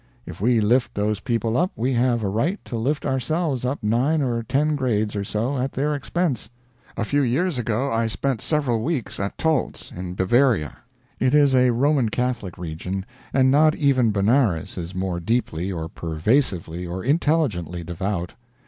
If we lift those people up, we have a right to lift ourselves up nine or ten grades or so, at their expense. A few years ago I spent several weeks at Tolz, in Bavaria. It is a Roman Catholic region, and not even Benares is more deeply or pervasively or intelligently devout.